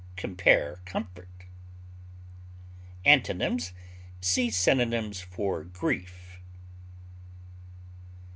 Compare COMFORT. Antonyms: See synonyms for GRIEF.